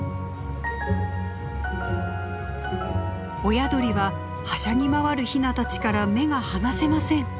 親鳥ははしゃぎ回るヒナたちから目が離せません。